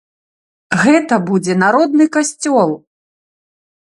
Гэта будзе народны касцёл!